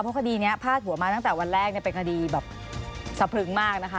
เพราะคดีนี้พาดหัวมาตั้งแต่วันแรกเป็นคดีแบบสะพรึงมากนะคะ